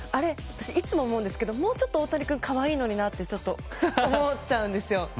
いつも思うんですけどもうちょっと大谷君可愛いのになってちょっと思っちゃうんですよ。